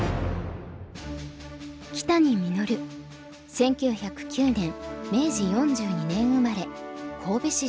１９０９年明治４２年生まれ神戸市出身。